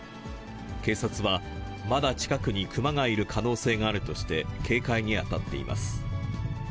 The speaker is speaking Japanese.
警察は、まだ近くにクマがいる可能性があるとして、警戒に当たっています。